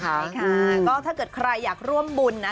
ใช่ค่ะก็ถ้าเกิดใครอยากร่วมบุญนะ